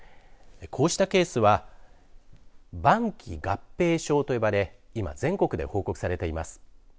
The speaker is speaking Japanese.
こうしたケースは晩期合併症と呼ばれ今、全国で報告されています。